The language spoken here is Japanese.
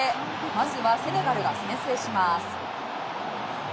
まずセネガルが先制します。